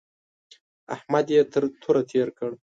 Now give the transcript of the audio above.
احمد يې تر توره تېر کړ.